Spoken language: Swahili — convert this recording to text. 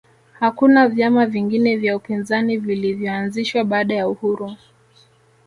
hakuna vyama vingine vya upinzani vilivyoanzishwa baada ya uhuru